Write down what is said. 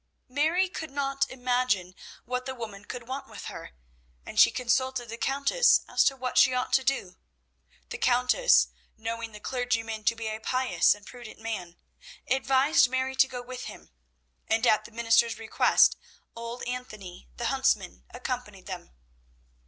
Mary could not imagine what the woman could want with her, and she consulted the Countess as to what she ought to do. The Countess, knowing the clergyman to be a pious and prudent man, advised Mary to go with him, and at the minister's request old Anthony the huntsman accompanied them.